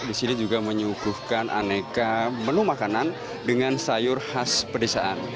di sini juga menyuguhkan aneka menu makanan dengan sayur khas pedesaan